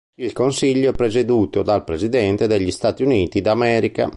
Il Consiglio è presieduto dal presidente degli Stati Uniti d'America.